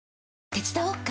手伝おっか？